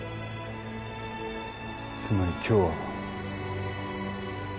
つまり今日は。